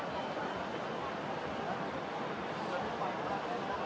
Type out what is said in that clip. สวัสดีครับ